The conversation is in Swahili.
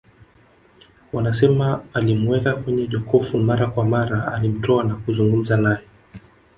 Wanasema alimuweka kwenye jokofu mara kwa mara alimtoa na kuzungumza naye